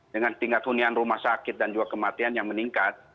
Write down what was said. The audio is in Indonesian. dengan tingkat hunian rumah sakit dan juga kematian yang meningkat